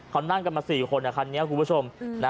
เขานั่งกันมา๔คน